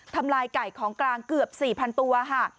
ทำลายไก่ของกลางเกือบ๔๐๐๐ตัวค่ะ